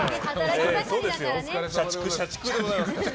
社畜、社畜でございます。